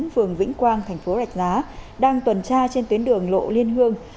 phường vĩnh quang tp rạch giá đang tuần tra trên tuyến đường lộ liên hương